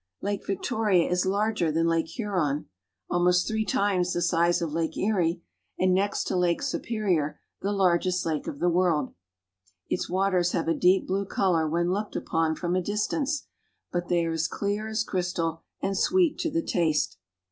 Lake Victoria is larger than Lake Huron, almost three ABOUT LAKE VlCfORlA 1 39 r times the size of Lake Erie, and next to Lake Superior, the largest lake of the world. Its waters have a deep blue I color when looked upon from a distance, but they are as I clear as crystal and sweet to the taste.